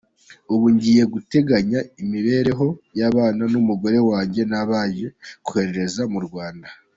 Ubu ngiye guteganya imibereho y’abana n’umugore wanjye nabanje kohereza mu Rwanda.